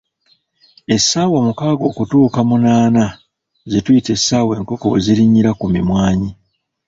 Essaawa mukaaga okutuuka ku munaana ze tuyita essaawa enkoko we zirinnyira ku mimwanyi.